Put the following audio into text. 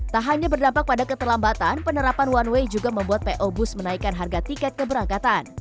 tak hanya berdampak pada keterlambatan penerapan one way juga membuat po bus menaikkan harga tiket keberangkatan